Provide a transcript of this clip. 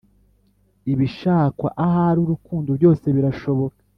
ibishakwa ahari urukundo byose birashoboka”